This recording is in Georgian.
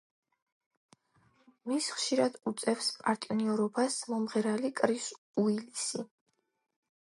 მის ხშირად უწევს პარტნიორობას მომღერალი კრის უილისი.